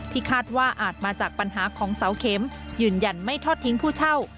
คาดว่าอาจมาจากปัญหาของเสาเข็มยืนยันไม่ทอดทิ้งผู้เช่า